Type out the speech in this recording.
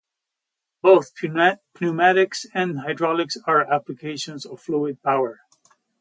Both pneumatics and hydraulics are applications of fluid power.